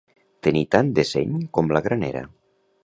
Tenir tant de seny com la granera.